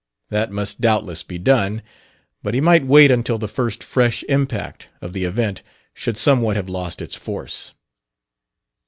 That must doubtless be done; but he might wait until the first fresh impact of the event should somewhat have lost its force.